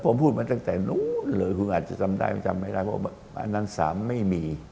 เพราะอันนั้นสามไม่มี